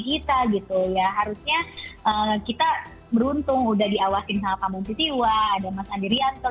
kita gitu ya harusnya kita beruntung udah diawasin sama pamuntitiwa ada mas andrianto